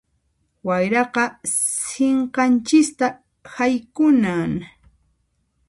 Wayraqa sinqanchista haykunan.